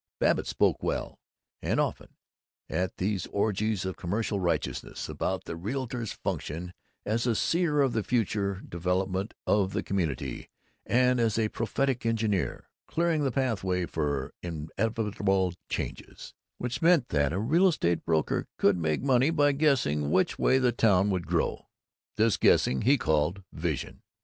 Babbitt spoke well and often at these orgies of commercial righteousness about the "realtor's function as a seer of the future development of the community, and as a prophetic engineer clearing the pathway for inevitable changes" which meant that a real estate broker could make money by guessing which way the town would grow. This guessing he called Vision.